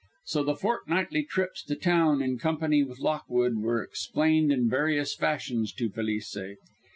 So the fortnightly trips to town in company with Lockwood were explained in various fashions to Felice.